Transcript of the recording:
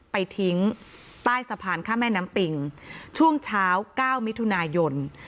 ไปทิ้งใต้สะพานข้ามแม่น้ำปิงช่วงเช้า๙มิถุนายน